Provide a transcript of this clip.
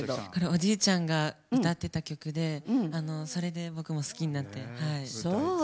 おじいちゃんが歌ってた曲でそれで僕も好きになって。